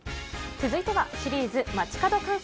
続いてはシリーズ！街角観測。